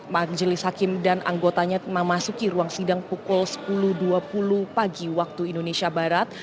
majelis hakim dan anggotanya memasuki ruang sidang pukul sepuluh dua puluh pagi waktu indonesia barat